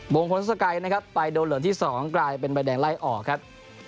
งพลสกัยนะครับไปโดนเหลืองที่๒กลายเป็นใบแดงไล่ออกครับ